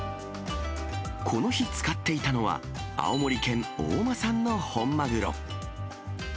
この日、使っていたのは、青森県大間産の本マグロ。